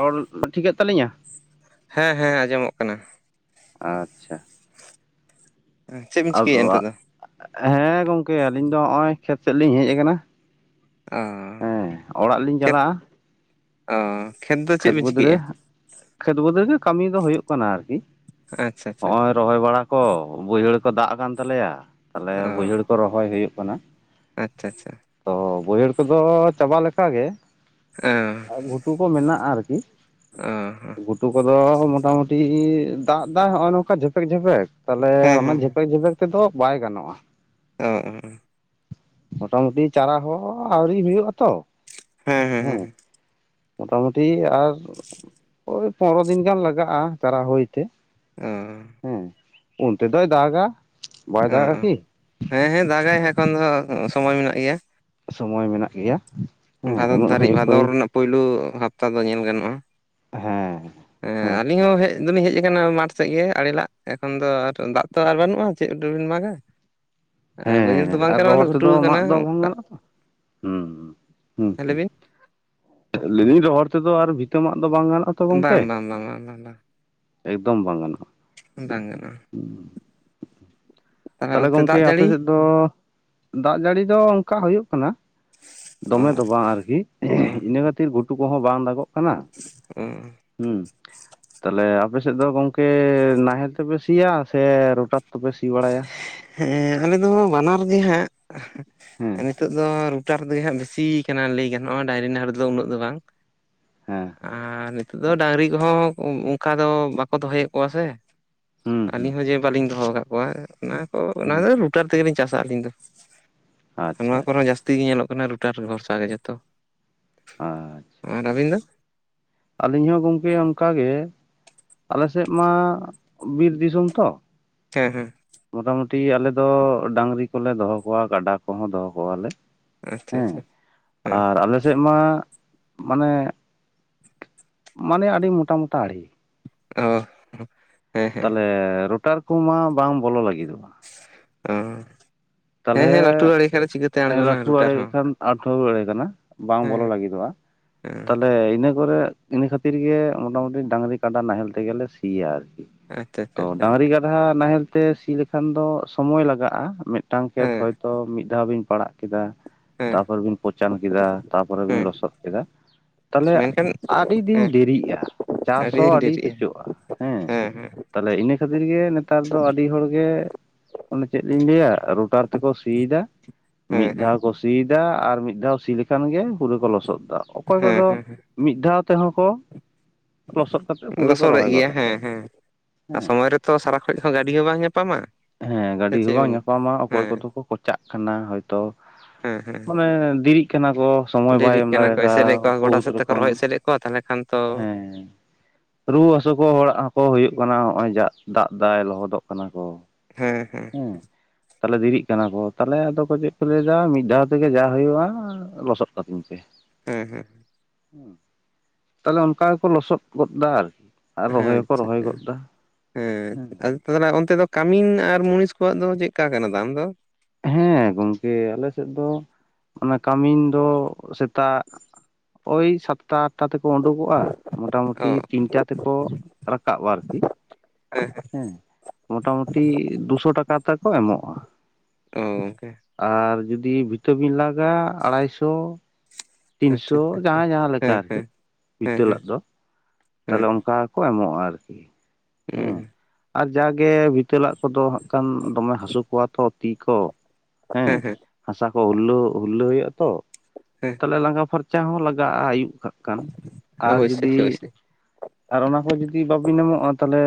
Role ᱴᱷᱤᱠᱮᱜ ᱛᱟᱹᱞᱤᱧᱟ? ᱦᱮᱸ ᱦᱮᱸ ᱟᱸᱡᱚᱢᱚᱜ ᱠᱟᱱᱟ᱾ ᱟᱪᱪᱷᱟ ᱪᱮᱫ ᱵᱤᱱ ᱪᱤᱠᱟᱹᱭᱮᱫᱼᱟ ᱟᱫᱚ ᱱᱤᱛᱚᱜ ᱟᱜ ᱫᱚ ᱦᱮᱸ ᱜᱚᱝᱠᱮ ᱟᱹᱞᱤᱧ ᱫᱚ ᱦᱚᱜᱼᱚᱭ ᱠᱷᱮᱛ ᱥᱮᱫ ᱞᱤᱧ ᱦᱮᱡ ᱠᱟᱱᱟ᱾ ᱚ ᱮᱸ ᱚᱲᱟᱜ ᱞᱤᱧ ᱪᱟᱞᱟᱜᱼᱟ᱾ ᱚᱸ ᱠᱷᱮᱛ ᱫᱚ ᱪᱮᱫ ᱠᱷᱮᱛ ᱵᱤᱱ ᱵᱟᱹᱫᱽᱨᱟᱹ ᱪᱤᱠᱟᱹᱭᱮᱫᱼᱟ ᱠᱷᱮᱛ ᱵᱟᱹᱫᱽᱨᱟᱹ ᱨᱮᱜᱮ ᱠᱟᱹᱢᱤ ᱫᱚ ᱦᱳᱭᱳᱜ ᱠᱟᱱᱟ ᱟᱨᱠᱤ᱾ ᱟᱪᱪᱷᱟ ᱟᱪᱪᱷᱟ ᱦᱚᱜᱼᱚᱭ ᱟᱪᱪᱷᱟ ᱨᱚᱦᱚᱭ ᱵᱟᱲᱟ ᱠᱚ ᱵᱟᱹᱭᱦᱟᱹᱲ ᱠᱚ ᱫᱟᱜ ᱟᱠᱟᱱ ᱛᱟᱞᱮᱭᱟ, ᱛᱟᱞᱦᱮ ᱚ ᱵᱟᱹᱭᱦᱟᱹᱲ ᱠᱚ ᱨᱚ ᱚᱦᱚᱭ ᱡᱮ ᱦᱩᱭᱩᱜ ᱠᱟᱱᱟ᱾ ᱟᱪᱪᱷᱟ ᱟᱪᱪᱷᱟ ᱚ ᱵᱟᱹᱭᱦᱟᱹᱲ ᱠᱚᱫᱚ ᱪᱟᱵᱟ ᱞᱮᱠᱟ ᱜᱮ ᱮᱢ ᱜᱷᱩᱴᱩ ᱠᱚ ᱢᱮᱱᱟᱜᱼᱟ ᱟᱨᱠᱤ ᱜᱷᱩᱴᱩ ᱠᱚᱫᱚ ᱢᱚᱴᱟᱢᱩᱴᱤ ᱫᱟᱜ ᱫᱟᱭ ᱱᱚᱜᱼᱚᱭ ᱱᱚᱝᱠᱟ ᱡᱷᱮᱯᱮᱠ ᱡᱷᱮᱯᱮᱠ ᱛᱟᱦᱚᱞᱮ ᱦᱮᱸ ᱚᱱᱟ ᱦᱮᱸ ᱡᱷᱮᱯᱮᱠ ᱡᱷᱮᱯᱮᱠ ᱛᱮᱫᱚ ᱵᱟᱭ ᱜᱟᱱᱚᱜᱼᱟ᱾ ᱚᱸ ᱢᱳᱴᱟᱢᱩᱴᱤ ᱪᱟᱨᱟ ᱦᱚᱸ ᱟᱹᱣᱨᱤ ᱦᱩᱭᱩᱜ-ᱟ ᱛᱚ ᱦᱮᱸ ᱦᱮᱸ ᱦᱮᱸ ᱦᱮᱸ ᱢᱚᱴᱟ ᱢᱩᱴᱤ ᱟᱨ ᱳᱭ ᱯᱚᱱᱮᱨᱚ ᱫᱤᱱ ᱜᱟᱱ ᱞᱟᱜᱟᱜᱼᱟ ᱪᱟᱨᱟ ᱦᱩᱭᱛᱮ ᱮᱸ ᱦᱮᱸ ᱩᱱᱛᱮ ᱫᱚᱭ ᱫᱟᱜᱟ᱾ ᱵᱟᱭ ᱫᱟᱜᱟ ᱚᱸ ᱠᱤ ᱦᱮᱸ ᱦᱮᱸ ᱫᱟᱜᱟᱭ ᱮᱠᱷᱚᱱ ᱫᱚ ᱥᱚᱢᱚᱭ ᱢᱮᱱᱟᱜ ᱜᱮᱭᱟ᱾ ᱥᱚᱢᱚᱭ ᱢᱮᱱᱟᱜ ᱜᱮᱭᱟ᱾ ᱦᱮᱸ ᱵᱷᱟᱫᱚᱨ ᱩᱱᱟᱹᱜ ᱫᱷᱟᱹᱨᱤᱡ ᱦᱟᱹᱭ ᱵᱷᱟᱫᱚᱨ ᱯᱷᱟᱹᱭ ᱨᱮᱱᱟᱜ ᱯᱩᱭᱞᱩ ᱦᱟᱯᱛᱟ ᱫᱚ ᱧᱮᱞ ᱜᱟᱱᱚᱜᱼᱟ᱾ ᱦᱮᱸ ᱮᱸ ᱦᱮᱸ ᱟᱹᱞᱤᱧ ᱦᱚᱸ ᱦᱮᱡ ᱫᱚᱞᱤᱧ ᱦᱮᱡ ᱠᱟᱱᱟ ᱢᱟᱴᱷ ᱥᱮᱫ ᱜᱮ ᱟᱲᱮ ᱞᱟᱜ ᱮᱠᱷᱚᱱ ᱫᱚ ᱟᱨ ᱫᱟᱜ ᱛᱚ ᱟᱨ ᱵᱟᱹᱱᱩᱜᱼᱟ ᱪᱮᱫ ᱫᱩᱵᱤᱱ ᱢᱟᱜᱟ᱾ ᱵᱟᱹᱭᱦᱟᱹᱲ ᱦᱮᱸ ᱫᱚ ᱵᱟᱝ ᱟᱨ ᱠᱟᱱᱟ ᱚᱱᱟ ᱫᱚ ᱨᱚᱦᱚᱲ ᱜᱷᱩᱴᱩ ᱛᱮᱫᱚ ᱟᱠᱟᱱᱟ ᱢᱟᱜ ᱫᱚ ᱵᱟᱝ ᱚᱱᱠᱟ ᱜᱟᱱᱚᱜᱼᱟ ᱛᱚ ᱦᱩᱸ ᱦᱩᱸ ᱞᱟᱹᱭ ᱦᱩᱸ ᱵᱤᱱ ᱞᱟᱹᱭᱫᱤᱧ ᱨᱚᱦᱚᱲ ᱛᱮᱫᱚ ᱟᱨ ᱵᱷᱤᱛᱟᱹᱢᱟᱜ ᱫᱚ ᱵᱟᱝ ᱜᱟᱱᱚᱜᱼᱟ। ᱛᱚ ᱵᱟᱝ ᱜᱚᱝᱠᱮ ᱵᱟᱝ ᱵᱟᱝ ᱵᱟᱝ ᱵᱟᱝ ᱵᱟᱝ ᱮᱠᱫᱚᱢ ᱵᱟᱝ ᱜᱟᱱᱚᱜᱼᱟ᱾ ᱵᱟᱝ ᱜᱟᱱᱚᱜᱼᱟ᱾ [inaudible] ᱛᱟᱦᱚᱞᱮ ᱚᱱᱛᱮ ᱜᱚᱝᱠᱮ ᱫᱟᱜ ᱟᱯᱮ ᱡᱟᱹᱲᱤ ᱥᱮᱫ ᱫᱚ ᱫᱟᱜ ᱡᱟᱹᱲᱤ ᱫᱚ ᱚᱱᱠᱟ ᱦᱩᱭᱩᱜ ᱠᱟᱱᱟ᱾ ᱚ ᱫᱚᱢᱮ ᱫᱚ ᱵᱟᱝ ᱟᱨᱠᱤ ᱚ ᱤᱱᱟᱹ ᱠᱷᱟᱹᱛᱤᱨ ᱜᱷᱩᱴᱩ ᱠᱚᱦᱚᱸ ᱵᱟᱝ ᱫᱟᱜᱚᱜ ᱠᱟᱱᱟ। ᱦᱩᱸ ᱛᱟᱦᱚᱞᱮ ᱟᱯᱮ ᱥᱮᱫ ᱫᱚ ᱜᱚᱝᱠᱮ ᱱᱟᱦᱮᱞ ᱛᱮᱯᱮ ᱥᱤᱭᱟ ᱥᱮ ᱨᱚᱴᱟᱨ ᱛᱮᱯᱮ ᱥᱤ ᱵᱟᱲᱟᱭᱟ? ᱦᱮᱸ ᱟᱞᱮ ᱫᱚ ᱵᱟᱱᱟᱨ ᱜᱮ ᱦᱟᱸᱜ ᱦᱮᱸ ᱱᱤᱛᱚᱜ ᱫᱚ ᱨᱩᱴᱟᱨ ᱜᱮ ᱦᱟᱸᱜ ᱵᱮᱥᱤ ᱠᱟᱱᱟ ᱞᱟᱹᱭ ᱜᱟᱱᱚᱜᱼᱟ ᱰᱟᱝᱨᱤ ᱱᱟᱦᱮᱞ ᱨᱮᱫᱚ ᱩᱱᱟᱹᱜ ᱫᱚ ᱵᱟᱝ ᱦᱮᱸ ᱟᱨ ᱱᱤᱛᱳ ᱫᱚ ᱟᱪᱪᱷᱟ ᱰᱟᱹᱝᱨᱤ ᱠᱚᱦᱚᱸ ᱚᱱᱠᱟ ᱫᱚ ᱵᱟᱠᱚ ᱫᱚᱦᱚᱭᱮᱫ ᱠᱚᱣᱟ ᱥᱮ ᱦᱩᱸ ᱦᱩᱸ ᱟᱹᱞᱤᱧ ᱦᱚᱸ ᱡᱮ ᱵᱟᱹᱞᱤᱧ ᱫᱚᱦᱚ ᱠᱟᱜ ᱠᱚᱣᱟ ᱚᱱᱟ ᱠᱚ ᱚᱱᱟ ᱛᱮ ᱦᱩᱸ [inaudible] ᱨᱩᱴᱟᱨ ᱛᱮᱜᱮᱞᱤᱧ ᱪᱟᱥᱟ ᱟᱹᱞᱤᱧ ᱫᱚ। ᱱᱚᱣᱟ ᱟᱪᱪᱷᱟ ᱠᱚᱨᱮ ᱟᱪᱪᱷᱟ ᱡᱟᱹᱥᱛᱤ ᱜᱮ ᱧᱮᱞᱚᱜ ᱠᱟᱱᱟ ᱨᱩᱴᱟᱨ ᱵᱷᱚᱨᱥᱟ ᱜᱮ ᱡᱷᱚᱛᱚ ᱟᱪᱪᱷᱟ ᱟᱨ ᱨᱵᱤᱱ ᱫᱚ ᱟᱹᱞᱤᱧ ᱦᱚᱸ ᱜᱚᱝᱠᱮ ᱚᱱᱠᱟ ᱜᱮ ᱟᱞᱮᱥᱮᱫ ᱢᱟ ᱵᱤᱨ ᱫᱤᱥᱚᱢ ᱛᱚ ᱦᱮᱸ ᱦᱮᱸ ᱢᱚᱴᱟ ᱢᱩᱴᱤ ᱟᱞᱮ ᱫᱚ ᱰᱟᱝᱨᱤ ᱠᱚᱞᱮ ᱫᱚᱦᱚ ᱠᱚᱣᱟ ᱠᱟᱰᱟ ᱠᱚᱦᱚᱸ ᱫᱚᱦᱚ ᱠᱚᱣᱟᱞᱮ ᱟᱪᱪᱷᱟ ᱦᱮᱸ ᱟᱪᱪᱷᱟ ᱦᱮᱸ ᱟᱨ ᱟᱞᱮ ᱥᱮᱫ ᱢᱟ ᱢᱟᱱᱮ ᱢᱟᱱᱮ ᱟᱹᱰᱤ ᱢᱚᱴᱟ ᱢᱚᱴᱟ ᱟᱲᱮ ᱚ ᱦᱳ ᱛᱟᱦᱚᱞᱮ ᱨᱳᱴᱟᱨ ᱠᱚᱢᱟ ᱵᱟᱝ ᱵᱚᱞᱚ ᱞᱟᱹᱜᱤᱫᱚᱜᱼᱟ। ᱚ ᱦᱮᱸ ᱦᱮᱸ ᱞᱟᱹᱴᱩ ᱟᱲᱮ [unintelligible] ᱮ ᱟᱬᱜᱚᱱᱟ ᱞᱟᱹᱴᱩ ᱨᱩᱴᱟᱨ ᱟᱲᱮ ᱦᱚᱸ ᱠᱷᱟᱱ [unintelligible] ᱟᱲᱮ ᱠᱟᱱᱟ ᱵᱟᱝ ᱵᱚᱞᱚ ᱦᱮᱸ ᱞᱟᱹᱜᱤᱫᱚᱜᱼᱟ। ᱦᱮᱸ ᱛᱟᱦᱚᱞᱮ ᱤᱱᱟᱹ ᱠᱚᱨᱮ ᱤᱱᱟᱹ ᱠᱷᱟᱹᱛᱤᱨ ᱜᱮ ᱢᱚᱴᱟ ᱢᱩᱴᱤ ᱰᱟᱝᱨᱤ ᱠᱟᱰᱟ ᱱᱟᱦᱮᱞ ᱛᱮᱜᱮ ᱞᱮ ᱥᱤᱭᱟ ᱟᱨᱠᱤ ᱟᱪᱪᱷᱟ ᱟᱪᱪᱷᱟ ᱛᱚ ᱟᱪᱪᱷᱟ ᱰᱟᱝᱨᱤ ᱠᱟᱰᱟ ᱱᱟᱦᱮᱞ ᱛᱮ ᱥᱤ ᱞᱮᱠᱷᱟᱱ ᱫᱚ ᱥᱚᱢᱚᱭ ᱞᱟᱜᱟᱜᱼᱟ ᱢᱮᱫ ᱢᱤᱫᱴᱟᱝ ᱠᱷᱮᱛ ᱦᱮᱸ ᱦᱚᱭᱛᱚ ᱢᱤᱫ ᱫᱷᱟᱣ ᱵᱤᱱ ᱯᱟᱲᱟᱜ ᱠᱮᱫᱟ ᱦᱮᱸ ᱛᱟᱯᱚᱨ ᱵᱤᱱ ᱯᱳᱪᱟᱱ ᱠᱮᱫᱟ ᱛᱟᱯᱚᱨᱮ ᱵᱤᱱ ᱦᱮᱸ ᱞᱚᱥᱚᱫ ᱠᱮᱫᱟ। ᱛᱟᱦᱚᱞᱮ ᱢᱮᱱᱠᱷᱟᱱ ᱟᱹᱰᱤ ᱫᱤᱱ ᱦᱮᱸ ᱫᱮᱨᱤᱜᱼᱟ ᱪᱟᱥ ᱦᱚᱸ ᱟᱹᱰᱤᱧ ᱟᱹᱰᱤ ᱰᱮᱨᱤᱜᱼᱟ ᱯᱟᱹᱪᱚᱜᱼᱟ। ᱦᱮᱸ ᱛᱟᱦᱚᱞᱮ ᱤᱱᱟᱹ ᱠᱷᱟᱹᱛᱤᱨ ᱜᱮ ᱱᱮᱛᱟᱨ ᱫᱚ ᱟᱹᱰᱤ ᱦᱚᱲᱜᱮ ᱼᱼ ᱚᱱᱮ ᱪᱮᱫ ᱞᱤᱧ ᱞᱟᱹᱭᱟ ᱨᱩᱴᱟᱨ ᱛᱮᱠᱚ ᱥᱤᱭᱮᱫᱟ᱾ ᱦᱮᱸ ᱢᱤᱫ ᱦᱮᱸ ᱫᱷᱟᱣ ᱠᱚ ᱥᱤᱭᱮᱫᱟ ᱟᱨ ᱢᱤᱫ ᱫᱷᱟᱣ ᱥᱤ ᱞᱮᱠᱷᱟᱱ ᱜᱮ ᱯᱩᱨᱟᱹ ᱠᱚ ᱞᱚᱥᱚᱫ ᱮᱫᱟ। ᱚᱠᱚᱭ ᱦᱮᱸ ᱠᱚᱫᱚ ᱦᱮᱸ ᱦᱮᱸ ᱢᱤᱫ ᱫᱷᱟᱣ ᱛᱮᱦᱚᱸ ᱠᱚ ᱼᱼ ᱞᱚᱥᱚᱫ ᱠᱟᱛᱮᱮᱫ ᱯᱩᱨᱟᱹ ᱠᱚ ᱞᱚᱥᱚᱫᱮᱜ ᱨᱚᱦᱚᱭ ᱜᱮᱭᱟ ᱜᱚᱫᱟᱜ ᱦᱮᱸ ᱠᱟᱱᱟ। ᱦᱮᱸ ᱟᱨ ᱥᱚᱢᱳᱚᱭ ᱨᱮᱛᱚ ᱥᱟᱨᱟ ᱠᱷᱚᱡ ᱦᱚᱸ ᱜᱟᱹᱰᱤ ᱦᱚᱸ ᱵᱟᱝ ᱧᱟᱯᱟᱢᱟ ᱦᱮᱸ ᱥᱮ ᱜᱟᱹᱰᱤ ᱦᱚᱸ ᱪᱮᱫ ᱵᱟᱝ ᱵᱤᱱ ᱼᱼ ᱧᱟᱯᱟᱢᱟ ᱚᱠᱚᱭ ᱠᱚᱫᱚ ᱠᱚ ᱠᱚᱪᱟᱜ ᱠᱟᱱᱟ ᱦᱚᱭᱛᱚ ᱦᱮᱸ ᱦᱮᱸ ᱢᱟᱱᱮ ᱫᱮᱨᱤᱜ ᱠᱟᱱᱟ ᱠᱚ᱾ ᱥᱚᱢᱚᱭ ᱵᱟᱭ ᱰᱮᱨᱤᱜ ᱮᱢ ᱠᱟᱱᱟ ᱫᱟᱲᱮ ᱠᱚ ᱠᱟᱣ ᱮᱥᱮᱫᱮᱫ ᱟ ᱠᱚᱣᱟ ᱜᱚᱴᱟ ᱵᱚᱦᱩᱛ ᱥᱮᱫ ᱛᱮᱠᱚ ᱨᱚᱠᱚᱢ ᱨᱚᱦᱚᱭ ᱮᱥᱮᱫᱮᱫ ᱠᱚᱣᱟ ᱛᱟᱦᱚᱞᱮ ᱠᱷᱟᱱ ᱛᱚ ᱦᱮᱸ ᱼᱼ ᱨᱩᱣᱟᱹ ᱦᱟᱹᱥᱩ ᱠᱚ ᱦᱚᱲᱟᱜ ᱦᱚᱸᱠᱚ ᱦᱩᱭᱩᱜ ᱠᱟᱱᱟ ᱦᱚᱜᱼᱚᱭ ᱡᱟ ᱫᱟᱜ ᱫᱟᱭ ᱞᱚᱦᱚᱫᱚᱜ ᱠᱟᱱᱟ ᱠᱚ ᱾ ᱦᱮᱸ ᱦᱮᱸ ᱛᱟᱦᱚᱞᱮ ᱫᱮᱨᱤᱜ ᱠᱟᱱᱟ ᱠᱚ ᱛᱟᱦᱞᱮ ᱟᱫᱚ ᱠᱚ ᱪᱮᱫ ᱠᱚ ᱞᱟᱹᱭᱟ ᱢᱤᱫ ᱫᱷᱟᱣ ᱛᱮᱜᱮ ᱡᱟ ᱦᱩᱭᱩᱜᱼᱟ ᱾ ᱞᱚᱥᱚᱫ ᱠᱟᱹᱛᱤᱧ ᱯᱮ ᱦᱮᱸ ᱦᱮᱸ ᱦᱮᱸ ᱛᱟᱦᱚᱞᱮ ᱚᱱᱠᱟ ᱜᱮᱠᱚ ᱞᱚᱥᱚᱫ ᱜᱚᱫ ᱫᱟ ᱟᱨᱠᱤ᱾ ᱟᱨ ᱦᱮᱸ ᱨᱚᱦᱚᱭ ᱦᱚᱸᱠᱚ ᱟᱪᱪᱷᱟ ᱨᱚᱦᱚᱭ ᱟᱪᱪᱷᱟ ᱜᱚᱫ ᱫᱟ ᱦᱮᱸ ᱛᱟᱦᱚᱞᱮ ᱚᱱᱛᱮ ᱫᱚ ᱠᱟᱹᱢᱤᱱ ᱟᱨ ᱢᱩᱱᱤᱥ ᱠᱚᱣᱟᱜ ᱫᱚ ᱪᱮᱫ ᱠᱟ ᱠᱟᱱᱟ ᱫᱟᱢ ᱫᱚ? ᱦᱮᱸ ᱜᱚᱝᱠᱮ ᱟᱞᱮ ᱥᱮᱫ ᱫᱚ ᱚᱱᱟ ᱠᱟᱹᱢᱤᱱ ᱫᱚ ᱥᱮᱛᱟᱜ ᱳᱭ ᱥᱟᱛ ᱥᱟᱛᱴᱟ ᱟᱴᱟ ᱛᱮᱠᱚ ᱩᱰᱩᱠᱚᱜᱼᱟ ᱚ ᱢᱚᱴᱟᱟᱢᱩᱴᱤ ᱛᱤᱱᱴᱟ ᱛᱮᱠᱚ ᱨᱟᱠᱟᱵᱼᱟ ᱟᱨᱠᱤ ᱾ ᱦᱮᱸ ᱢᱚᱴᱟᱢᱩᱴᱤ ᱫᱩᱥᱚ ᱴᱟᱠᱟ ᱛᱟᱣ ᱠᱚ ᱮᱢᱚᱜᱼᱟ ᱾ ᱛᱚ ᱜᱚᱝᱠᱮ ᱟᱨ ᱡᱩᱫᱤ ᱵᱷᱤᱛᱟᱹᱵᱤᱱ ᱞᱟᱜᱟ ᱟᱲᱟᱭ ᱥᱚ ᱾ ᱟᱪᱪᱷᱟ ᱛᱤᱱᱥᱚ ᱟᱪᱪᱷᱟ ᱡᱟᱦᱟᱭᱸ ᱡᱟᱦᱟᱸ ᱞᱮᱠᱟ ᱦᱮᱸ ᱟᱨᱠᱤ ᱦᱮᱸ ᱦᱮᱸ ᱵᱷᱤᱛᱟᱹ ᱦᱮᱸ ᱞᱟᱜ ᱫᱚ ᱾ ᱦᱮᱸ ᱛᱟᱦᱞᱮ ᱚᱱᱠᱟ ᱠᱚ ᱮᱢᱚᱜᱼᱟ ᱟᱨᱠᱤ ᱾ ᱦᱮᱸ [inaudible] ᱟᱨ ᱡᱟ ᱜᱮ ᱵᱷᱤᱴᱟᱹᱞᱟᱜ ᱠᱚᱫᱚ ᱦᱟᱸᱜ ᱠᱷᱟᱱ ᱫᱚᱢᱮ ᱦᱟᱹᱥᱩ ᱠᱚᱣᱟ ᱛᱚ ᱛᱤ ᱠᱚ ᱾ ᱦᱮᱸ ᱦᱟᱥᱟ ᱠᱚ ᱦᱩᱨᱞᱟᱹ ᱦᱩᱭᱩᱜ ᱟ ᱛᱚ ᱾ ᱦᱮᱸ ᱾ ᱛᱚ ᱞᱟᱸᱜᱟ ᱯᱷᱟᱨᱪᱟ ᱦᱚᱸ ᱞᱟᱜᱟᱜᱼᱟ ᱟᱹᱭᱩᱵ ᱠᱟᱜ ᱠᱷᱟᱱ ᱟᱨ ᱚᱵᱚᱥᱥᱳᱭ ᱡᱩᱫᱤ ᱚᱵᱚᱥᱥᱳᱭ ᱟᱨ ᱚᱱᱟ ᱠᱚ ᱡᱩᱫᱤ ᱵᱟᱵᱤᱱ ᱮᱢᱚᱜᱼᱟ ᱛᱟᱦᱚᱞᱮ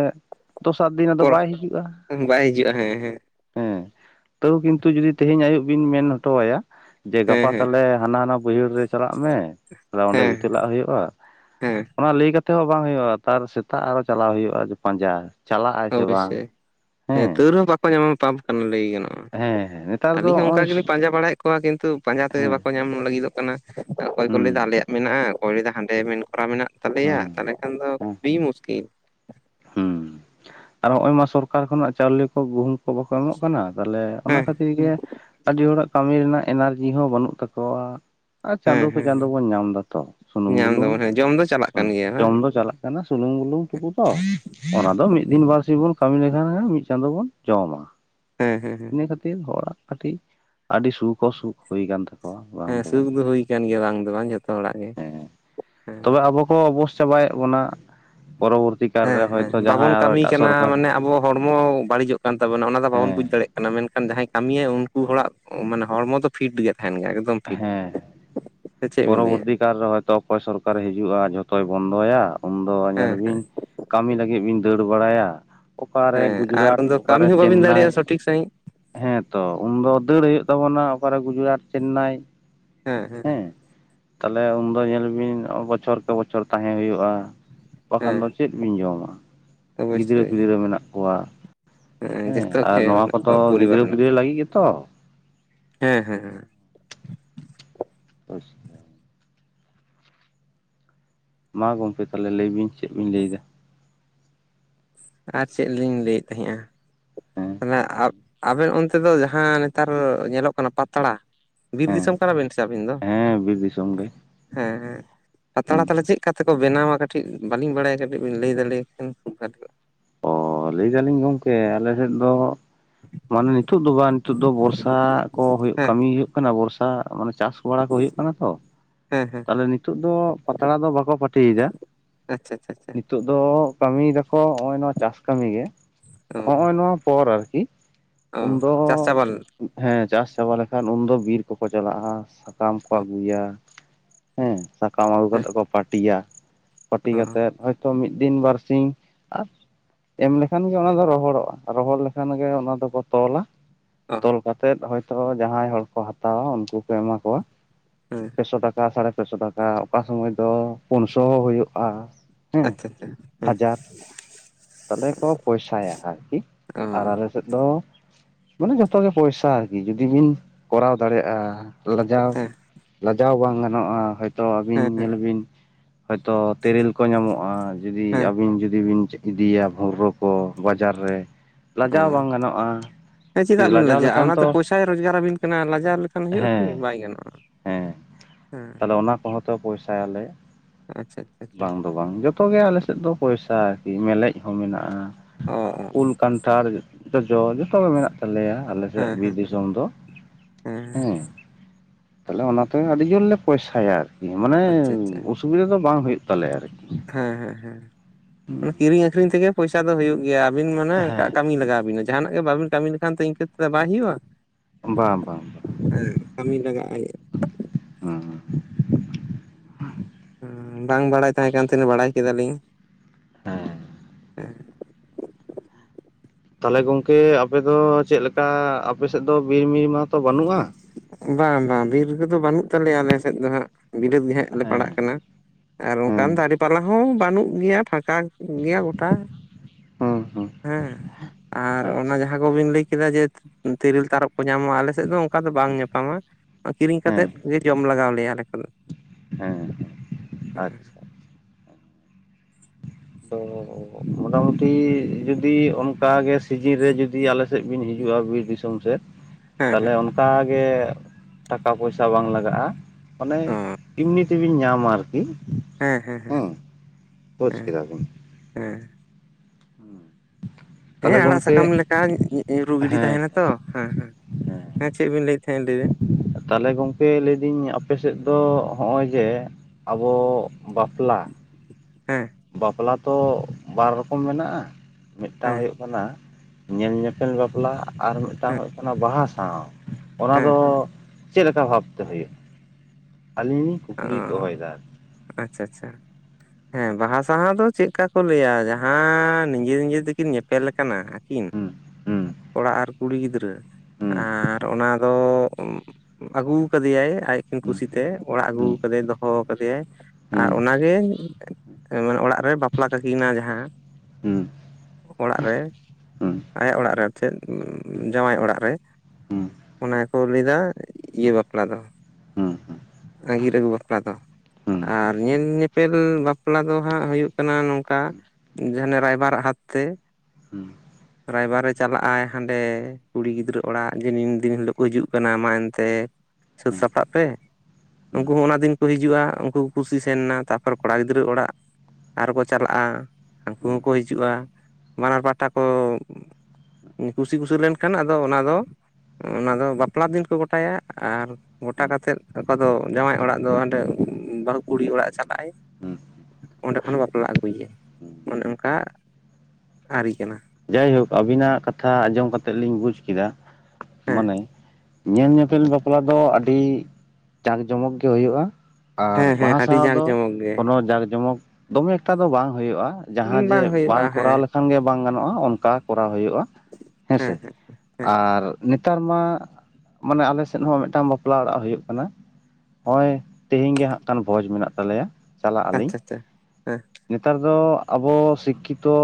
ᱫᱚᱥᱟᱨ ᱫᱤᱱ ᱟᱫᱚ ᱯᱚᱨᱟ ᱵᱟᱭ ᱦᱤᱡᱩᱜᱼᱟ ᱵᱟᱭ ᱦᱤᱡᱩᱜᱼᱟ ᱦᱮᱸ ᱦᱮᱸ ᱾ ᱦᱮᱸ ᱛᱟᱹᱣ ᱠᱤᱱᱛᱩ ᱡᱩᱫᱤ ᱛᱮᱦᱤᱧ ᱟᱭᱩᱵ ᱵᱮᱱ ᱢᱮᱱ ᱦᱚᱴᱚ ᱟᱭᱟ ᱾ ᱡᱮ ᱦᱮᱸ ᱜᱟᱯᱟ ᱦᱮᱸ ᱛᱟᱦᱞᱮ ᱦᱟᱱᱟ ᱵᱟᱹᱭᱦᱟᱹᱲ ᱨᱮ ᱪᱟᱞᱟᱜ ᱢᱮ ᱟᱫᱚ ᱚᱸᱰᱮ ᱦᱮᱸ ᱵᱷᱤᱛᱟᱹ ᱞᱟᱜ ᱦᱩᱭᱩᱜᱼᱟ ᱦᱮᱸ ᱾ ᱚᱱᱟ ᱞᱟᱹᱭ ᱠᱟᱛᱮ ᱦᱚᱸ ᱵᱟᱝ ᱦᱩᱭᱩᱜᱼᱟ ᱾ ᱛᱟᱨ ᱥᱮᱛᱟᱜ ᱟᱨᱚ ᱪᱟᱞᱟᱣ ᱦᱩᱭᱩᱜᱼᱟᱮ ᱯᱟᱸᱡᱟ ᱾ ᱚᱵᱚᱥᱥᱳᱭ ᱦᱮᱸ ᱾ ᱛᱟᱹᱣ ᱨᱮ ᱦᱚᱸ ᱵᱟᱠᱚ ᱧᱟᱢᱟ ᱯᱟᱢᱯ ᱠᱟᱱᱟ ᱞᱟᱹᱭ ᱜᱟᱱᱚᱜᱼᱟ ᱾ ᱚ ᱦᱮᱸ ᱦᱮᱸ ᱱᱮᱛᱟᱨ ᱫᱚ ᱟᱹᱞᱤᱧ ᱦᱚᱸ ᱱᱚᱜᱼᱚᱭ ᱚᱱᱠᱟ ᱜᱮ ᱞᱤᱧ ᱯᱟᱸᱡᱟ ᱵᱟᱲᱟᱭᱮᱫ ᱠᱚᱣᱟ ᱠᱤᱱᱛᱩ ᱯᱟᱸᱡᱟ ᱛᱮ ᱜᱮ ᱦᱮᱸ ᱵᱟᱠᱚ ᱧᱟᱢ ᱞᱟᱹᱜᱤᱫᱚᱜ ᱾ ᱚᱠᱚᱭ ᱠᱚᱭ ᱞᱟᱹᱭᱟ ᱦᱩᱸ ᱟᱞᱮᱭᱟᱜ ᱢᱮᱱᱟᱜᱼᱟ ᱚᱠᱚᱭ ᱠᱚ ᱞᱟᱹᱭᱟ ᱦᱟᱸᱰᱮ ᱢᱮᱱ ᱠᱚᱨᱟ ᱢᱮᱱᱟᱜ ᱾ ᱛᱟᱞᱮᱭᱟ ᱦᱩᱸ ᱾ ᱛᱟᱦᱚᱞᱮ ᱠᱷᱟᱱ ᱫᱚ ᱠᱷᱩᱵᱤ ᱢᱩᱥᱠᱤᱞ ᱾ ᱦᱮᱸ ᱟᱨ ᱱᱚᱜᱼᱚᱭ ᱢᱟ ᱥᱚᱨᱠᱟᱨ ᱠᱷᱚᱱᱟᱜ ᱪᱟᱣᱞᱮ ᱠᱚ ᱜᱩᱦᱩᱢ ᱠᱚ ᱠᱚ ᱵᱟᱠᱚ ᱮᱢᱚᱜ ᱠᱟᱱᱟ ᱛᱟᱦᱞᱮ ᱚᱱᱟ ᱦᱮᱸ ᱠᱷᱟᱹᱛᱤᱨ ᱜᱮ ᱟᱹᱰᱤ ᱦᱚᱲᱟᱜ ᱠᱟᱹᱢᱤ ᱨᱮᱱᱟᱜ ᱮᱱᱟᱨᱡᱤ ᱦᱚᱸ ᱵᱟᱹᱱᱩᱜ ᱛᱟᱠᱚᱣᱟ ᱾ ᱟᱨ ᱪᱟᱸᱫᱚ ᱦᱮᱸ ᱠᱚ ᱦᱮᱸ ᱪᱟᱸᱫᱚ ᱵᱚᱱ ᱧᱟᱢ ᱮᱫᱟ ᱛᱚ ᱥᱩᱱᱩᱢ ᱧᱟᱢ ᱵᱩᱞᱩᱝ ᱫᱟᱵᱚᱱ ᱾ ᱡᱚᱢ ᱫᱚ ᱪᱟᱞᱟᱜ ᱠᱟᱱᱟ ᱾ ᱡᱚᱢ ᱫᱚ ᱪᱟᱞᱟᱜ ᱠᱟᱱᱟ ᱥᱩᱞᱩᱝ ᱵᱩᱞᱩᱝ ᱴᱩᱠᱩ ᱛᱚ᱾ ᱚᱱᱟ ᱫᱚ ᱢᱤᱫ ᱫᱤᱱ ᱵᱟᱨᱥᱤᱧ ᱵᱚᱱ ᱠᱟᱹᱢᱤ ᱞᱮᱠᱷᱟᱱ ᱢᱤᱫ ᱪᱟᱸᱫᱚ ᱵᱚᱱ ᱡᱚᱢᱟ ᱾ ᱦᱮᱸ ᱦᱮᱸ ᱾ ᱠᱷᱟᱹᱛᱤᱨ ᱦᱚᱲᱟᱜ ᱠᱟᱹᱴᱤᱡ ᱟᱹᱰᱤ ᱥᱩᱠ ᱚᱥᱩᱠ ᱦᱩᱭ ᱟᱠᱟᱱ ᱛᱟᱠᱚᱣᱟ ᱾ ᱦᱮᱸ ᱾ ᱥᱩᱠ ᱫᱚ ᱦᱩᱭ ᱠᱟᱱ ᱜᱮᱭᱟ ᱵᱟᱝ ᱫᱚ ᱵᱟᱝ ᱡᱷᱚᱛᱚ ᱦᱚᱲᱟᱜ ᱜᱮ ᱾ ᱛᱚᱵᱮ ᱟᱵᱚ ᱠᱚ ᱚᱵᱚᱥ ᱪᱟᱵᱟᱭᱮᱫ ᱵᱚᱱᱟ ᱾ ᱯᱚᱨᱚᱵᱚᱨᱛᱤ ᱠᱟᱞ ᱦᱮᱸ ᱨᱮ ᱦᱮᱸ ᱦᱚᱭᱛᱳ ᱵᱟᱵᱚᱱ ᱡᱟᱦᱟᱸᱭ ᱟᱨᱚ ᱠᱟᱹᱢᱤ ᱮᱴᱟᱜ ᱠᱟᱱᱟ ᱥᱚᱨᱠᱟᱨ ᱢᱟᱱᱮ ᱟᱵᱚ ᱦᱚᱲᱢᱚ ᱵᱟᱹᱲᱤᱡᱚᱜ ᱠᱟᱱ ᱛᱟᱵᱚᱱᱟ ᱚᱱᱟ ᱫᱚ ᱵᱟᱵᱚᱱ ᱵᱩᱡ ᱦᱮᱸ ᱫᱟᱲᱮᱭᱟᱜ ᱠᱟᱱᱟ ᱾ ᱠᱟᱱᱟ ᱢᱮᱱᱠᱷᱟᱱ ᱡᱟᱦᱟᱸᱭ ᱠᱟᱹᱢᱤᱭᱟᱭ ᱩᱱᱠᱩ ᱦᱚᱲᱟᱜ ᱢᱟᱱᱮ ᱦᱚᱲᱢᱚ ᱫᱚ ᱯᱷᱤᱴ ᱜᱮ ᱛᱟᱦᱮᱱ ᱜᱮᱭᱟᱭ ᱠᱤ ᱦᱮᱸ ᱞᱟᱹᱭᱟ ᱯᱚᱨᱚᱵᱚᱨᱛᱤ ᱠᱟᱨ ᱨᱮ ᱦᱚᱭᱛᱳ ᱚᱠᱚᱭ ᱥᱚᱨᱠᱟᱨᱮ ᱦᱤᱡᱩᱜᱼᱟ, ᱡᱷᱚᱛᱚᱭ ᱵᱚᱱᱫᱚᱭᱟ ᱩᱱᱫᱚ ᱦᱮᱸ ᱧᱮᱞ ᱵᱤᱱ ᱠᱟᱹᱢᱤ ᱞᱟᱹᱜᱤᱜ ᱵᱤᱱ ᱫᱟᱹᱲ ᱵᱟᱲᱟᱭᱟ ᱚᱠᱟᱨᱮ ᱦᱮᱸ ᱟᱨ ᱜᱩᱡᱽᱨᱟᱴ ᱩᱱᱫᱚ ᱠᱟᱹᱢᱤ ᱚᱠᱟᱨᱮ ᱦᱚᱸ ᱵᱟᱹᱵᱤᱱ ᱪᱮᱱᱱᱟᱭ ᱫᱟᱲᱮᱭᱟᱜᱼᱟ ᱾ ᱥᱚᱴᱷᱤᱠ ᱥᱟᱺᱦᱤᱡ ᱦᱮᱸᱛᱚ ᱩᱱ ᱫᱚ ᱫᱟᱹᱲ ᱦᱩᱭᱩᱜ ᱛᱟᱵᱚᱱᱟ ᱚᱠᱟ ᱨᱮ ᱜᱩᱡᱨᱟᱴᱷ ᱪᱮᱱᱱᱟᱭ ᱦᱮᱸ᱾ ᱛᱟᱞᱦᱮ ᱩᱱ ᱫᱚ ᱧᱮᱞ ᱵᱤᱱ ᱵᱚᱪᱷᱚᱨ ᱠᱮ ᱵᱚᱪᱷᱚᱨ ᱛᱟᱦᱮᱸ ᱦᱩᱭᱩᱜᱼᱟ᱾ ᱵᱟᱠᱷᱟᱱ ᱦᱮᱸ ᱫᱚ ᱪᱮᱫ ᱵᱤᱱ ᱡᱚᱢᱟ ᱜᱤᱫᱽᱨᱟᱹ ᱚᱵᱚᱥᱥᱳᱭ ᱦᱮᱸ ᱯᱤᱫᱽᱨᱟᱹ ᱢᱮᱱᱟᱜ ᱠᱚᱣᱟ᱾ ᱦᱮᱸ ᱡᱚᱛᱚ ᱟᱨ ᱜᱮ ᱱᱚᱣᱟ ᱢᱮᱱᱟᱜ ᱠᱚᱫᱚ ᱠᱚᱣᱟ ᱯᱚᱨᱤᱵᱟᱨ ᱜᱤᱫᱽᱨᱟᱹ ᱨᱮᱱᱟᱜ ᱯᱤᱫᱽᱨᱟᱹ ᱞᱟᱹᱜᱤᱜ ᱜᱮᱛᱚ᱾ ᱦᱮᱸ ᱦᱮᱸ ᱦᱮᱸ [inaudible] ᱢᱟ ᱜᱚᱝᱠᱮ ᱛᱟᱦᱚᱞᱮ ᱞᱟᱹᱭ ᱵᱤᱱ ᱪᱮᱜ ᱵᱤᱱ ᱞᱟᱹᱭ ᱫᱟ? ᱟᱨ ᱪᱮᱜ ᱞᱤᱧ ᱞᱟᱹᱭᱮᱜ ᱛᱟᱦᱮᱸᱜᱼᱟ? ᱦᱮᱸ ᱢᱟᱱᱮ ᱟ ᱟᱵᱮᱱ ᱚᱱᱛᱮ ᱫᱚ ᱡᱟᱦᱟᱸ ᱱᱮᱛᱟᱨ ᱧᱮᱞᱚᱜ ᱠᱟᱱᱟ ᱯᱟᱛᱲᱟ ᱵᱤᱨ ᱦᱮᱸ ᱫᱤᱥᱚᱢ ᱠᱟᱱᱟ ᱵᱤᱱ ᱥᱮ ᱟᱹᱵᱤᱱ ᱫᱚ? ᱦᱮᱸ ᱵᱤᱨ ᱫᱤᱥᱚᱢ ᱜᱮ ᱦᱮᱸ ᱦᱮᱸ ᱦᱩᱸ ᱯᱟᱛᱲᱟ ᱛᱟᱞᱮ ᱪᱮᱜᱠᱟ ᱛᱮᱠᱚ ᱵᱮᱱᱟᱣᱟ ᱠᱟᱹᱴᱤᱡ ᱵᱟᱹᱞᱤᱧ ᱵᱟᱲᱟᱭᱟ ᱠᱟᱹᱴᱤᱡ ᱵᱤᱱ ᱞᱟᱹᱭ ᱫᱟᱲᱮ ᱠᱷᱟᱱ ᱵᱷᱟᱞᱤᱠᱚᱜᱼᱟ᱾ ᱚᱸ ᱞᱟᱹᱭ ᱫᱟᱞᱤᱧ ᱜᱚᱝᱠᱮ ᱟᱞᱮ ᱥᱮᱫ ᱫᱚ ᱢᱟᱱᱮ ᱱᱤᱛᱳᱜ ᱫᱚ ᱵᱟᱝ ᱱᱤᱛᱳᱜ ᱫᱚ ᱵᱚᱨᱥᱟ ᱠᱚ ᱦᱩᱭᱩᱜ ᱦᱮᱸ ᱠᱟᱹᱢᱤ ᱦᱩᱭᱩᱜ ᱠᱟᱱᱟ ᱵᱚᱨᱥᱟ ᱢᱟᱱᱮ ᱪᱟᱥ ᱵᱟᱲᱟ ᱠᱚ ᱦᱩᱭᱩᱜ ᱠᱟᱱᱟ ᱛᱚ᱾ ᱦᱮᱸ ᱦᱮᱸ ᱛᱟᱞᱦᱮ ᱱᱤᱛᱚᱜ ᱫᱚ ᱯᱟᱛᱲᱟ ᱫᱚ ᱵᱟᱠᱚ ᱯᱟᱹᱴᱤᱭ ᱫᱟ᱾ ᱟᱪᱪᱷᱟ ᱟᱪᱪᱷᱟ ᱟᱪᱪᱷᱟ ᱱᱤᱛᱚᱜ ᱫᱚ ᱠᱟᱹᱢᱤᱭ ᱫᱟᱠᱚ ᱦᱚᱜᱼᱚᱭ ᱱᱚᱣᱟ ᱪᱟᱥ ᱠᱟᱹᱢᱤ ᱜᱮ᱾ ᱚ ᱦᱚᱸᱜᱼᱚᱭ ᱱᱚᱣᱟ ᱯᱚᱨ ᱟᱨᱠᱤ ᱚ ᱩᱱ ᱫᱚ ᱪᱟᱥ ᱪᱟᱵᱟ ᱞᱮᱱᱟ ᱦᱮᱸ ᱪᱟᱥ ᱪᱟᱵᱟ ᱞᱮᱠᱷᱟᱱ ᱩᱱᱫᱚ ᱵᱤᱨ ᱠᱚᱠᱚ ᱪᱟᱞᱟᱜᱼᱟ, ᱥᱟᱠᱟᱢ ᱠᱚ ᱚ ᱟᱹᱜᱩᱭᱟ᱾ ᱦᱮᱸ ᱥᱟᱠᱟᱢ ᱟᱹᱜᱩ ᱦᱮᱸ ᱠᱟᱛᱮᱜ ᱠᱚ ᱯᱟᱹᱴᱤᱭᱟ ᱯᱟᱹᱴᱤ ᱚ ᱠᱟᱛᱮᱜ ᱦᱳᱭ ᱛᱚ ᱢᱤᱫ ᱫᱤᱱ ᱵᱟᱨ ᱥᱤᱧ ᱟᱨ ᱮᱢ ᱞᱮᱠᱷᱟᱱ ᱜᱮ ᱚᱱᱟ ᱫᱚ ᱨᱚᱦᱚᱲᱚᱜᱼᱟ, ᱨᱚᱦᱚᱲ ᱞᱮᱠᱷᱟᱱ ᱜᱮ ᱚᱱᱟ ᱫᱚᱠᱚ ᱛᱚᱞᱟ᱾ ᱚ ᱛᱚᱞ ᱠᱟᱛᱮᱫ ᱦᱚᱭᱛᱳ ᱡᱟᱦᱟᱸᱭ ᱦᱚᱲ ᱠᱚ ᱦᱟᱛᱟᱣᱟ ᱩᱱᱠᱩ ᱠᱚ ᱮᱢᱟ ᱠᱚᱣᱟ, ᱦᱮᱸ ᱯᱮᱥᱚ ᱴᱟᱠᱟ ᱥᱟᱲᱮ ᱯᱮᱥᱚ ᱴᱟᱠᱟ ᱚᱠᱟ ᱥᱚᱢᱚᱭ ᱫᱚ ᱯᱩᱱᱥᱚ ᱦᱚᱸ ᱦᱩᱭᱩᱜᱼᱟ᱾ ᱟᱪᱪᱷᱟ ᱟᱪᱪᱷᱟ ᱦᱮᱸ ᱛᱟᱞᱦᱮ ᱠᱚ ᱯᱚᱭᱥᱟᱭᱟ ᱟᱨᱠᱤ ᱚ ᱟᱨ ᱟᱞᱮ ᱥᱮᱫ ᱫᱚ ᱢᱟᱱᱮ ᱡᱚᱛᱚ ᱜᱮ ᱯᱚᱭᱥᱟ ᱟᱨᱠᱤ ᱡᱩᱫᱤ ᱵᱤᱱ ᱠᱚᱨᱟᱣ ᱫᱟᱲᱮᱜᱼᱟ᱾ ᱞᱟᱡᱟᱣ ᱦᱮᱸ ᱞᱟᱡᱟᱣ ᱵᱟᱝ ᱜᱟᱱᱚᱜᱼᱟ ᱦᱚᱭᱛᱚ ᱟᱹᱵᱤᱱ ᱦᱮᱸ ᱦᱮᱸ ᱧᱮᱞ ᱵᱤᱱ ᱦᱚᱭᱛᱚ ᱛᱮᱨᱮᱞ ᱠᱚ ᱧᱟᱢᱚᱜᱼᱟ ᱡᱩᱫᱤ ᱦᱮᱸ ᱟᱹᱵᱤᱱ ᱡᱩᱫᱤ ᱵᱤᱱ ᱪᱮ ᱤᱫᱤᱭᱟ ᱵᱷᱳᱵᱨᱚ ᱠᱚ ᱵᱟᱡᱟᱨ ᱨᱮ ᱚ ᱞᱟᱡᱟᱣ ᱵᱟᱝ ᱜᱟᱱᱚᱜᱼᱟ᱾ ᱦᱮᱸ ᱪᱮᱫᱟᱜ ᱵᱤᱱ ᱞᱟᱡᱟᱣ ᱞᱟᱡᱟᱜᱼᱟ, ᱞᱮᱠᱷᱟᱱ ᱚᱱᱟᱛᱮ ᱛᱚ ᱯᱚᱭᱥᱟᱭ ᱨᱳᱡᱽᱜᱟᱨᱟ ᱟᱵᱤᱱ ᱠᱟᱱᱟ ᱞᱟᱡᱟᱣ ᱞᱮᱠᱷᱟᱱ ᱦᱩᱭᱩᱜᱼᱟ ᱠᱤ ᱦᱮᱸ ᱵᱟᱭ ᱜᱟᱱᱚᱜᱼᱟ᱾ ᱦᱮᱸ ᱛᱟᱞᱮ ᱦᱮᱸ ᱚᱱᱟ ᱠᱚᱦᱚᱸ ᱛᱚ ᱯᱚᱭᱥᱟ ᱭᱟᱞᱮ᱾ ᱟᱪᱪᱷᱟ ᱟᱪᱪᱷᱟ ᱵᱟᱝ ᱡᱚᱛᱚ ᱜᱮ ᱟᱞᱮᱥᱮᱜ ᱫᱚ ᱯᱚᱭᱥᱟ ᱟᱨᱠᱤ ᱢᱮᱞᱮᱡ ᱦᱚᱸ ᱢᱮᱱᱟᱜᱼᱟ ᱚ ᱚ ᱚ ᱩᱞ ᱠᱟᱱᱴᱷᱟᱲ ᱡᱚᱡᱚ ᱡᱚᱛᱚ ᱜᱮ ᱢᱮᱱᱟᱜ ᱛᱟᱞᱮᱭᱟ ᱟᱞᱮ ᱥᱮᱜ ᱦᱮᱸ ᱵᱤᱨ ᱦᱮᱸ ᱦᱮᱸ ᱫᱤᱥᱚᱢ ᱫᱚ ᱦᱮᱸ᱾ ᱛᱟᱞᱮ ᱚᱱᱟᱛᱮ ᱟᱹᱰᱤ ᱡᱳᱨ‌ ᱞᱮ ᱯᱚᱭᱥᱟᱭᱟ ᱟᱨᱠᱤ ᱢᱟᱱᱮ ᱟᱪᱪᱷᱟ ᱟᱪᱪᱷᱟ ᱚᱥᱩᱵᱤᱫᱟ ᱫᱚ ᱵᱟᱝ ᱦᱩᱭᱩᱜ ᱛᱟᱞᱮᱭᱟ ᱟᱨᱠᱤ᱾ ᱦᱮᱸ ᱦᱮᱸ ᱦᱮᱸ ᱚᱱᱮ ᱠᱤᱨᱤᱧ ᱟᱹᱠᱷᱨᱤᱧ ᱛᱮᱜᱮ ᱯᱚᱭᱥᱟ ᱫᱚ ᱦᱩᱭᱩᱜ ᱜᱮᱭᱟ ᱟᱵᱤᱱ ᱢᱟᱱᱮ ᱦᱮᱸ ᱠᱟᱼᱠᱟᱹᱢᱤ ᱞᱟᱜᱟᱣᱵᱤᱱᱟ ᱡᱟᱦᱟᱱᱟᱜ ᱜᱮ ᱵᱟᱵᱤᱱ ᱠᱟᱹᱢᱤ ᱞᱮᱠᱷᱟᱱ ᱛᱚ ᱤᱝᱠᱟᱹ ᱛᱮᱫᱚ ᱵᱟᱭ ᱦᱩᱭᱩᱜᱼᱟ᱾ ᱵᱟᱝ ᱵᱟᱝ ᱦᱮᱸ ᱠᱟᱹᱢᱤ ᱞᱟᱜᱟᱜ ᱦᱩᱭᱩᱜ ᱦᱚᱸ ᱚᱸ ᱵᱟᱝ ᱵᱟᱲᱟᱭ ᱛᱟᱦᱮᱸ ᱠᱟᱱ ᱛᱮᱱ ᱵᱟᱲᱟᱭ ᱠᱮᱫᱟᱞᱤᱧ᱾ ᱦᱮᱸ ᱦᱮᱸ ᱛᱟᱦᱚᱞᱮ ᱜᱚᱢᱠᱮ ᱟᱯᱮ ᱫᱚ ᱪᱮᱫ ᱞᱮᱠᱟ ᱟᱯᱮ ᱥᱮᱫ ᱫᱚ ᱵᱤᱨ ᱢᱤᱨ ᱢᱟ ᱛᱚ ᱵᱟᱹᱱᱩᱜᱼᱟ᱾ ᱵᱟᱝ ᱵᱟᱝ ᱵᱤᱨ ᱨᱮᱫᱚ ᱵᱟᱹᱱᱩᱜ ᱛᱟᱞᱮᱭᱟ ᱟᱞᱮ ᱥᱮᱫ ᱫᱚ ᱦᱟᱸᱜ ᱵᱤᱨᱟᱹᱫ ᱜᱮ ᱦᱟᱸᱜ ᱞᱮ ᱦᱮᱸ ᱯᱟᱲᱟᱜ ᱠᱟᱱᱟ᱾ ᱟᱨ ᱦᱮᱸ ᱚᱱᱠᱟᱱ ᱫᱟᱨᱮ ᱯᱟᱞᱟ ᱦᱚᱸ ᱵᱟᱹᱱᱩᱜ ᱜᱮᱭᱟ ᱯᱷᱟᱠᱟ ᱜᱮᱭᱟ ᱜᱚᱴᱟ᱾ ᱦᱮᱸ ᱟᱨ ᱚᱱᱟ ᱟᱪᱪᱷᱟ ᱡᱟᱦᱟᱸ ᱡᱟᱦᱟᱸ ᱠᱚᱵᱤᱱ ᱞᱟᱹᱭ ᱠᱮᱫᱟ ᱡᱮ ᱛᱤᱨᱤᱞ ᱛᱟᱨᱚᱵ ᱠᱚ ᱧᱟᱢᱚᱜ-ᱟ ᱟᱞᱮ ᱥᱮᱫ ᱫᱚ ᱚᱱᱠᱟ ᱫᱚ ᱵᱟᱝ ᱧᱟᱯᱟᱢᱟ᱾ ᱠᱤᱨᱤᱧ ᱦᱮᱸ ᱠᱟᱛᱮᱫ ᱜᱮ ᱡᱚᱢ ᱞᱟᱜᱟᱣ ᱞᱮᱭᱟ ᱟᱞᱮ ᱠᱚᱫᱚ᱾ ᱦᱮᱸ ᱟᱪᱪᱷᱟ᱾ ᱛᱚ [unintelligible] ᱢᱚᱴᱟᱢᱩᱴ ᱴᱤ ᱡᱩᱫᱤ ᱚᱱᱠᱟᱜᱮ ᱥᱤᱡᱤᱱ ᱨᱮ ᱡᱩᱫᱤ ᱟᱞᱮ ᱥᱮᱫ ᱵᱤᱱ ᱦᱤᱡᱩᱜᱼᱟ ᱵᱤᱨ ᱫᱤᱥᱚᱢ ᱥᱮᱫ ᱦᱮᱸ ᱦᱮᱸ᱾ ᱛᱟ ᱜᱮ ᱴᱟᱠᱟ ᱯᱚᱭᱥᱟ ᱵᱟᱝ ᱞᱟᱜᱟᱜᱼᱟ ᱟᱱᱮ ᱚ ᱮᱢᱱᱤ ᱪᱮᱫ ᱵᱤᱱ ᱧᱟᱢᱟ ᱟᱨᱠᱤ ᱦᱮᱸ ᱦᱮᱸ ᱦᱮᱸ᱾ ᱠᱷᱳᱡᱽ ᱦᱮᱸ ᱠᱮᱫᱟ ᱵᱚᱱ ᱦᱮᱸ [inaudible] ᱦᱮᱸ ᱛᱟᱦᱚᱞᱮ ᱟᱲᱟᱜ ᱥᱟᱠᱟᱢ ᱜᱚᱢᱠᱮ ᱞᱮᱠᱟ ᱧᱩᱨᱩ ᱜᱤᱰᱤ ᱦᱮᱸ ᱛᱟᱦᱮᱸᱱᱟ᱾ ᱛᱚ ᱦᱮᱸ ᱦᱮᱸ ᱦᱮᱸ ᱪᱮᱜ ᱵᱤᱱ ᱞᱟᱹᱭ ᱮᱫ ᱛᱟᱦᱮᱸᱫ ᱞᱟᱹᱭ ᱵᱤᱱ? ᱛᱟᱞᱚᱦᱮ ᱜᱚᱝᱠᱮ ᱞᱟᱹᱭ ᱫᱟᱹᱧ ᱟᱯᱮ ᱥᱮᱫ ᱫᱚ ᱦᱚᱸᱜ ᱚᱭ ᱡᱮ ᱟᱵᱚ ᱵᱟᱯᱞᱟ ᱦᱮᱸ ᱵᱟᱯᱞᱟ ᱛᱚ ᱵᱟᱨ ᱨᱚᱠᱚᱢ ᱢᱮᱱᱟᱜᱼᱟ ᱢᱤᱫᱴᱟᱝ ᱦᱮᱸ ᱦᱩᱭᱩᱜ ᱠᱟᱱᱟ ᱠᱟᱱᱟ ᱧᱮᱞ ᱧᱮᱯᱮᱞ ᱵᱟᱯᱞᱟ ᱟᱨ ᱢᱤᱫᱴᱟᱝ ᱦᱮᱸ ᱦᱩᱭᱩᱜ ᱠᱟᱱᱟ ᱵᱟᱦᱟ ᱥᱟᱶᱦᱟ᱾ ᱚᱱᱟ ᱫᱚ ᱦᱮᱸ ᱪᱮᱫ ᱞᱮᱠᱟ ᱵᱷᱟᱵ ᱛᱮ ᱦᱩᱭᱩᱜᱼᱟ? ᱟᱹᱞᱤᱧ ᱠᱩᱠᱞᱤ ᱚᱸ ᱫᱚᱦᱚᱭᱮᱫᱟ ᱟᱪᱪᱷᱟ ᱟᱪᱪᱷᱟ᱾ ᱦᱮᱸ ᱵᱟᱦᱟ ᱥᱟᱶᱦᱟ ᱫᱚ ᱪᱮᱫ ᱠᱟ ᱠᱚ ᱞᱟᱹᱭᱼᱟ ᱡᱟᱦᱟᱸ ᱱᱤᱡᱮ ᱱᱤᱡᱮ ᱛᱮᱠᱤᱱ ᱧᱮᱯᱮᱞ ᱟᱠᱟᱱᱟ ᱠᱤᱱ ᱦᱩᱸ ᱦᱩᱸ ᱠᱚᱲᱟ ᱟᱨ ᱠᱩᱲᱤ ᱜᱤᱫᱽᱨᱟᱹ ᱦᱩᱸ ᱟᱨ ᱚᱱᱟ ᱫᱚ ᱟᱹᱜᱩ ᱠᱟᱫᱮᱭᱟᱭ ᱟᱡ ᱠᱤ ᱦᱩᱸ ᱠᱩᱥᱤ ᱛᱮ ᱚᱲᱟᱜ ᱟᱹᱜᱩ ᱦᱩᱸ ᱠᱟᱫᱮᱭᱟᱭ ᱫᱚᱦᱚ ᱠᱟᱫᱮᱭᱟᱭ ᱟᱨ ᱚᱱᱟ ᱜᱮ ᱢᱟᱱᱮ ᱚᱲᱟᱜ ᱨᱮ ᱵᱟᱯᱞᱟ ᱠᱟᱹᱠᱤᱱᱼᱟ ᱡᱟᱦᱟᱸ ᱦᱩᱸ ᱚᱲᱟᱜ ᱨᱮ ᱦᱩᱸ ᱦᱩᱸ ᱟᱭᱟᱜ ᱚᱲᱟᱜ ᱨᱮ ᱟᱨ ᱪᱮᱫ ᱡᱟᱶᱟᱭ ᱚᱲᱟᱜ ᱨᱮ᱾ ᱦᱩᱸ ᱚᱱᱟ ᱜᱮᱠᱚ ᱞᱟᱹᱭᱫᱟ ᱤᱭᱟᱹ ᱵᱟᱯᱞᱟ ᱫᱚ ᱦᱩᱸᱻ ᱟᱸᱜᱤᱨ ᱟᱜᱩ ᱵᱟᱯᱞᱟ ᱫᱚ᱾ ᱟᱨ ᱧᱮᱞ ᱧᱮᱯᱮᱞ ᱵᱟᱯᱞᱟ ᱫᱚ ᱦᱟᱸᱜ ᱦᱩᱭᱩᱜ ᱠᱟᱱᱟ ᱱᱚᱝᱠᱟ ᱡᱮᱦᱟ ᱱᱟᱜ ᱨᱟᱭᱵᱟᱨᱼᱟᱜ ᱦᱟᱛ ᱛᱮ ᱨᱟᱭᱵᱟᱨ ᱮ ᱪᱟᱞᱟᱜ ᱟᱭ ᱦᱟᱸᱰᱮ ᱠᱩᱲᱤ ᱜᱤᱫᱽᱨᱟᱹ ᱚᱲᱟᱜ ᱡᱮ ᱱᱩᱱᱫᱤᱱ ᱦᱤᱞᱳᱜ ᱠᱚ ᱦᱤᱡᱩᱜ ᱠᱟᱱᱟ ᱢᱟ ᱮᱱᱛᱮᱜ ᱥᱟᱹᱛ ᱥᱟᱯᱲᱟᱜ ᱯᱮ ᱩᱱᱠᱩ ᱦᱚᱸ ᱚᱱᱟ ᱫᱤᱱ ᱠᱚ ᱦᱤᱡᱩᱜᱼᱟ ᱩᱱᱠᱩ ᱠᱚ ᱠᱩᱥᱤ ᱥᱮᱱ ᱱᱟ ᱛᱟᱯᱚᱨ ᱠᱚᱲᱟ ᱜᱤᱫᱽᱨᱟᱹ ᱚᱲᱟᱜ ᱟᱨᱚ ᱠᱚ ᱪᱟᱞᱟᱜᱼᱟ ᱦᱟᱱᱠᱩ ᱦᱚᱸᱠᱚ ᱦᱤᱡᱩᱜᱼᱟ ᱵᱟᱱᱟᱨ ᱯᱟᱦᱴᱟ ᱠᱚ ᱠᱩᱥᱤ ᱠᱩᱥᱟᱹᱞ ᱞᱮᱱ ᱠᱷᱟᱱ ᱟᱫᱚ ᱚᱱᱟ ᱫᱚ ᱩᱱᱟᱫᱚ ᱵᱟᱯᱞᱟ ᱫᱤᱱ ᱠᱚ ᱜᱚᱴᱟᱭᱟ ᱟᱨ ᱜᱚᱴᱟ ᱠᱟᱛᱮᱫ ᱚᱠᱟ ᱫᱚ ᱡᱟᱸᱣᱟᱭ ᱚᱲᱟᱜ ᱫᱚ ᱦᱟᱸᱰᱮ ᱵᱟᱹᱦᱩ ᱠᱩᱲᱤ ᱚᱲᱟᱜ ᱪᱟᱞᱟᱜᱼᱟᱭ ᱾ ᱚᱸᱰᱮ ᱠᱷᱚᱱ ᱮ ᱵᱟᱯᱞᱟ ᱟᱹᱜᱩ ᱮᱭᱟᱭ ᱚᱱᱮ ᱚᱱᱠᱟ ᱟᱹᱨᱤ ᱠᱟᱱᱟ ᱡᱟᱭᱦᱳᱠ ᱟᱵᱤᱱᱼᱟᱜ ᱠᱟᱛᱷᱟ ᱟᱸᱡᱚᱢ ᱠᱟᱛᱮᱫ ᱞᱤᱧ ᱵᱩᱡ ᱠᱮᱫᱟ ᱦᱮᱸ ᱢᱟᱱᱮ ᱧᱮᱞ ᱧᱮᱯᱮᱞ ᱵᱟᱯᱞᱟ ᱫᱚ ᱟᱹᱰᱤ ᱡᱟᱸᱠ ᱡᱚᱢᱚᱠ ᱜᱮ ᱦᱩᱭᱩᱜᱼᱟ᱾ ᱟᱨ ᱦᱮᱸ ᱦᱮᱸ ᱵᱟᱦᱟ ᱟᱹᱰᱤ ᱥᱟᱶᱦᱟ ᱡᱟᱸᱠ ᱫᱚ ᱡᱚᱢᱚᱠ ᱜᱮ ᱠᱳᱱᱚ ᱡᱟᱸᱠ ᱡᱚᱢᱚᱠ ᱫᱚᱢᱮ ᱮᱠᱴᱟ ᱫᱚ ᱵᱟᱝ ᱦᱳᱭᱳᱜᱼᱟ᱾ ᱡᱟᱦᱟᱸ ᱡᱮ ᱵᱟᱝ ᱦᱩᱭᱩᱜᱼᱟ ᱦᱮᱸ ᱠᱚᱨᱟᱣ ᱞᱮᱠᱷᱟᱱ ᱜᱮ ᱵᱟᱝ ᱜᱟᱱᱚᱜᱼᱟ ᱚᱱᱠᱟ ᱠᱚᱨᱟᱣ ᱦᱳᱭᱳᱜᱼᱟ᱾ ᱦᱮᱸ ᱦᱮᱸᱥᱮ? ᱦᱮᱸ ᱦᱮᱸ ᱟᱨ ᱱᱮᱛᱟᱨ ᱢᱟ ᱢᱟᱱᱮ ᱟᱞᱮ ᱥᱮᱫ ᱦᱚᱸ ᱢᱤᱫᱴᱟᱝ ᱵᱟᱯᱞᱟ ᱚᱲᱟᱜ ᱦᱳᱭᱳᱜ ᱠᱟᱱᱟ ᱦᱸᱚᱜᱼᱚᱭ ᱛᱤᱦᱮᱧ ᱜᱮ ᱦᱟᱸᱜ ᱠᱷᱟᱱ ᱵᱷᱚᱡᱽ ᱢᱮᱱᱟᱜ ᱛᱟᱞᱮᱭᱟ᱾ ᱪᱟᱞᱟᱜ ᱟᱹᱞᱤᱧ ᱟᱪᱷᱟ ᱟᱪᱷᱟ ᱦᱮᱸ ᱱᱮᱛᱟᱨ ᱫᱚ ᱟᱵᱚ ᱥᱤᱠᱷᱤᱛᱚ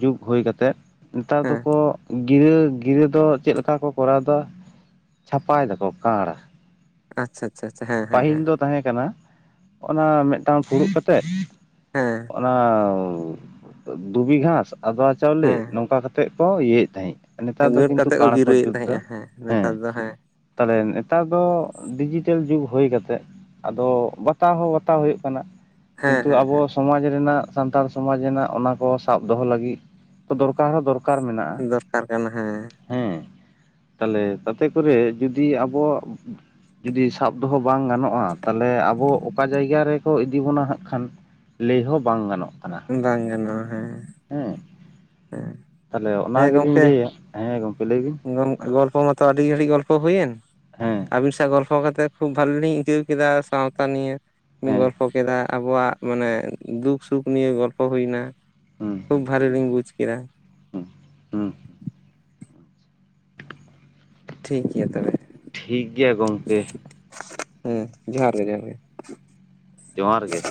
ᱡᱩᱜᱽ ᱦᱩᱭ ᱠᱟᱛᱮᱫ ᱱᱮᱛᱟᱨ ᱦᱮᱸ ᱫᱚᱠᱚ ᱜᱤᱨᱟᱹ ᱜᱤᱨᱟᱹ ᱫᱚ ᱪᱮᱫ ᱞᱮᱠᱟ ᱠᱚ ᱠᱚᱨᱟᱣ ᱮᱫᱟ ᱪᱷᱟᱯᱟᱭ ᱫᱟᱠᱚ ᱠᱟᱲ ᱾ ᱟᱪᱷᱟ ᱟᱪᱷᱟ ᱦᱮᱸ ᱦᱮᱸ ᱦᱮᱸ ᱛᱟᱦᱮᱸ ᱠᱟᱱᱟ ᱚᱱᱟ ᱢᱤᱫᱴᱟᱝ ᱯᱷᱩᱲᱩᱜ ᱠᱟᱛᱮᱜ ᱦᱮᱸ ᱾ ᱚᱱᱟ ᱫᱷᱩᱵᱤ ᱜᱷᱟᱸᱥ ᱟᱫᱽᱣᱟ ᱪᱟᱣᱞᱮ ᱦᱮᱸ ᱱᱚᱝᱠᱟ ᱠᱟᱛᱮᱫ ᱠᱚ ᱤᱭᱟᱹᱭ ᱮᱫ ᱛᱟᱦᱮᱸᱜ ᱾ ᱱᱮᱛᱟᱨ ᱦᱮᱸ ᱫᱚ ᱜᱷᱟᱹᱴ ᱠᱤᱱᱛᱩ ᱠᱟᱛᱮᱫ ᱠᱟᱲ ᱠᱚ ᱜᱤᱨᱟᱹᱭᱮᱫ ᱡᱩᱛᱫᱟ ᱛᱟᱦᱮᱸᱜᱼᱟ ᱦᱮᱸ ᱱᱮᱛᱟᱨ ᱾ ᱫᱚ ᱛᱚᱵᱮ ᱱᱮᱛᱟᱨ ᱫᱚ ᱰᱤᱡᱤᱴᱮᱞ ᱡᱩᱜᱽ ᱦᱩᱭ ᱠᱟᱛᱮᱫ ᱟᱫᱚ ᱵᱟᱛᱟᱣ ᱦᱚᱸ ᱵᱟᱛᱟᱣ ᱦᱩᱭᱩᱜ ᱠᱟᱱᱟ ᱦᱮᱸ ᱠᱤᱱᱛᱩ ᱦᱮᱸ ᱟᱵᱚ ᱥᱚᱢᱟᱡᱽ ᱨᱮᱱᱟᱜ ᱥᱟᱱᱛᱟᱲ ᱥᱚᱢᱟᱡᱽ ᱨᱮᱱᱟᱜ ᱚᱱᱟ ᱠᱚ ᱥᱟᱵ ᱫᱚᱦᱚ ᱞᱟᱹᱜᱤᱫ ᱛᱚ ᱫᱚᱨᱠᱟᱨ ᱦᱚᱸ ᱫᱚᱨᱠᱟᱨ ᱾ ᱫᱚᱨᱠᱟᱨ ᱢᱮᱱᱟᱜᱼᱟ ᱦᱮᱸ ᱫᱚᱨᱠᱟᱨ ᱠᱟᱱᱟ ᱾ ᱦᱮᱸ ᱛᱟᱞᱦᱮ ᱛᱟᱛᱮ ᱠᱚᱨᱮ ᱡᱩᱫᱤ ᱟᱵᱚᱣᱟᱜ ᱡᱩᱫᱤ ᱥᱟᱵ ᱾ ᱫᱚᱦᱚ ᱵᱟᱝ ᱜᱟᱱᱚᱜᱼᱟ ᱛᱟᱦᱞᱮ ᱟᱵᱚ ᱚᱠᱟ ᱡᱟᱭᱜᱟ ᱨᱮᱠᱚ ᱤᱫᱤ ᱵᱚᱱᱟ ᱦᱟᱸᱜ ᱠᱷᱟᱱ ᱞᱮᱭ ᱦᱚᱸ ᱵᱟᱝ ᱜᱟᱱᱚᱜᱼᱟ ᱾ ᱵᱟᱝ ᱜᱟᱱᱚᱜᱼᱟ ᱦᱮᱸ ᱦᱮ ᱛᱟᱦᱚᱞᱮ ᱚᱱᱟ ᱦᱮᱸ ᱜᱮᱞᱤᱧ ᱜᱚᱝᱠᱮ ᱞᱟᱹᱭᱮᱫ ᱦᱮᱸ ᱜᱚᱢᱠᱮ ᱞᱟᱹᱭ ᱵᱤᱱ [unintelligible] ᱜᱚᱞᱯᱚ ᱢᱟᱛᱼᱼᱼ ᱛᱚ ᱟᱹᱰᱤ ᱜᱷᱟᱹᱲᱤᱡ ᱜᱚᱞᱯᱚ ᱦᱩᱭᱮᱱ ᱦᱮᱸ ᱟᱵᱤᱱ ᱥᱟᱶ ᱜᱚᱞᱯᱚ [unintelligible] ᱠᱟᱛᱮᱫ ᱠᱷᱩᱵ ᱵᱷᱟᱞᱤ ᱞᱤᱧ ᱟᱹᱭᱠᱟᱹᱣ ᱠᱮᱫᱟ ᱥᱟᱶᱛᱟ ᱱᱤᱭᱮ ᱵᱤᱱ ᱦᱮᱸ ᱜᱚᱞᱯᱚ ᱠᱮᱫᱟ ᱟᱵᱚᱣᱟᱜ ᱢᱟᱱᱮ ᱫᱩᱠ ᱥᱩᱠ ᱱᱤᱭᱟᱹ ᱜᱚᱞᱯᱚ ᱦᱩᱭᱱᱟ ᱦᱩᱸ ᱠᱷᱩᱵ ᱵᱷᱟᱞᱤ ᱞᱤᱧ ᱵᱩᱡᱽ ᱠᱮᱫᱟ ᱦᱩᱢᱸ ᱴᱷᱤᱠ ᱜᱮᱭᱟ ᱛᱚᱵᱮ ᱴᱷᱤᱠ ᱜᱮᱭᱟ ᱜᱚᱢᱠᱮ ᱦᱩᱸ ᱡᱚᱦᱟᱨ ᱜᱮ ᱡᱚᱦᱟᱨ ᱜᱮ ᱡᱚᱦᱟᱨ ᱜᱮ